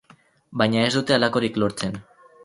Baina ez dute halakorik lortzen.